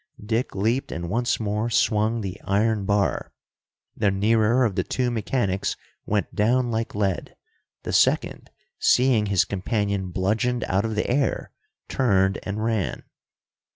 Dick leaped and once more swung the iron bar. The nearer of the two mechanics went down like lead, the second, seeing his companion bludgeoned out of the air, turned and ran.